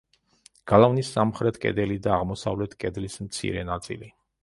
გალავნის სამხრეთ კედელი და აღმოსავლეთ კედლის მცირე ნაწილი.